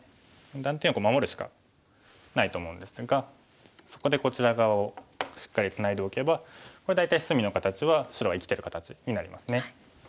断点を守るしかないと思うんですがそこでこちら側をしっかりツナいでおけばこれ大体隅の形は白は生きてる形になりますね。